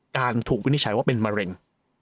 ถูกวินิจฉัยว่าเป็นมะเร็ง